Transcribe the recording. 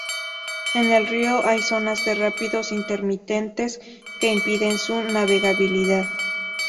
En el río hay zonas de rápidos intermitentes que impiden su navegabilidad.